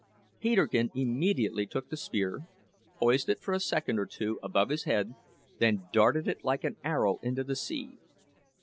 Peterkin immediately took the spear, poised it for a second or two above his head, then darted it like an arrow into the sea.